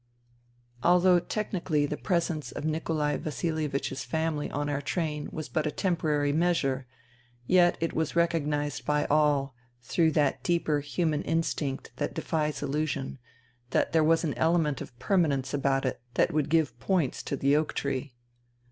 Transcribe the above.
Although technically the presence of Nikolai Vasilievich's family on our train was but a temporary measure, yet it was recognized by all, through that deeper human instinct that defies illusion, that there was an element of permanence about it that would give points to the oak tree.